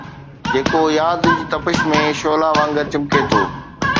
جيڪو ياد جي تپش مان شعلا وانگر چمڪي ٿو